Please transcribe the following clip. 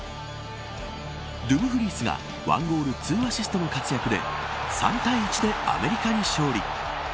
ドゥムフリースが１ゴール２アシストの活躍で３対１でアメリカに勝利。